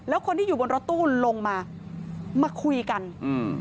แล้วคนที่อยู่บนรถตู้ลงมามาคุยกันอืม